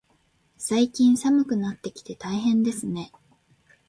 最近、寒くなってきて大変ですね。